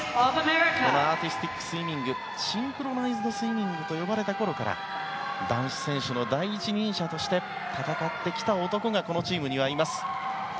アーティスティックスイミングシンクロナイズドスイミングと呼ばれたころから男子選手の第一人者として戦ってきた男がこのチームにはいます。